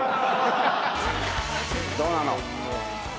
どうなの？